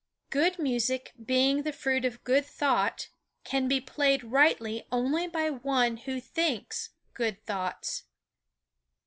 Good music being the fruit of good thought can be played rightly only by one who thinks good thoughts.